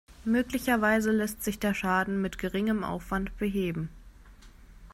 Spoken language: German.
Möglicherweise lässt sich der Schaden mit geringem Aufwand beheben.